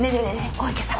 大池さん。